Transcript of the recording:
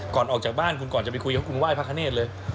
ก่อนออกจากบ้านคุณก่อนจะไปคุยกับคุณไห้พระคเนธเลย